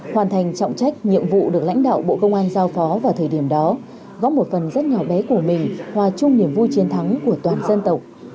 hoàn thành trọng trách nhiệm vụ được lãnh đạo bộ công an giao phó vào thời điểm đó góp một phần rất nhỏ bé của mình hòa chung niềm vui chiến thắng của toàn dân tộc